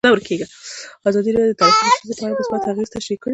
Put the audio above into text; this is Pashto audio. ازادي راډیو د ټرافیکي ستونزې په اړه مثبت اغېزې تشریح کړي.